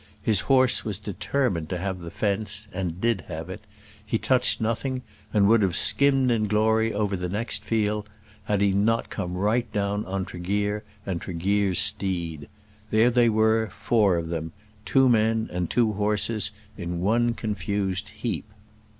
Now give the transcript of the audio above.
His horse was determined to have the fence, and did have it. He touched nothing, and would have skimmed in glory over the next field had he not come right down on Tregear and Tregear's steed. There they were, four of them, two men and two horses in one confused heap.